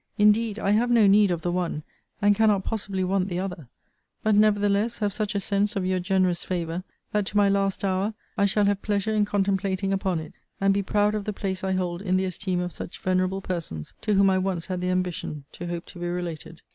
Indeed I have no need of the one, and cannot possibly want the other: but, nevertheless have such a sense of your generous favour, that, to my last hour, I shall have pleasure in contemplating upon it, and be proud of the place I hold in the esteem of such venerable persons, to whom I once had the ambition to hope to be related.